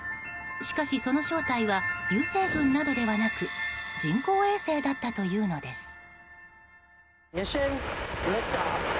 しかしその正体は流星群などではなく人工衛星だったというのです。